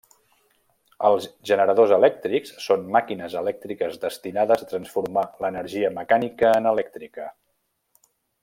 Els generadors elèctrics són màquines elèctriques destinades a transformar l'energia mecànica en elèctrica.